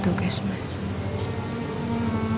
itu ada tugas mas